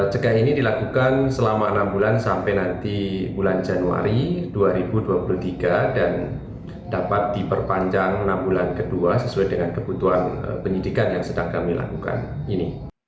cegah ini dilakukan selama enam bulan sampai nanti bulan januari dua ribu dua puluh tiga dan dapat diperpanjang enam bulan kedua sesuai dengan kebutuhan penyidikan yang sedang kami lakukan ini